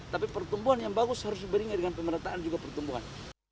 tapi pertumbuhan yang bagus harus diberinya dengan pemerataan juga pertumbuhan